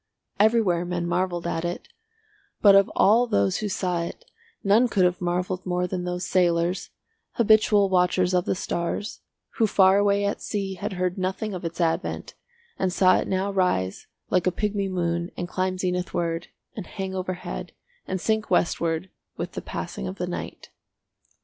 Everywhere men marvelled at it, but of all those who saw it none could have marvelled more than those sailors, habitual watchers of the stars, who far away at sea had heard nothing of its advent and saw it now rise like a pigmy moon and climb zenithward and hang overhead and sink westward with the passing of the night.